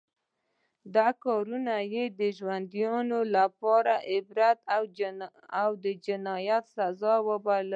دا کار یې د ژوندیو لپاره عبرت او د جنایت سزا وبلله.